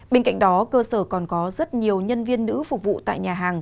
bên cạnh đó cơ sở còn có rất nhiều nhân viên nữ phục vụ tại nhà hàng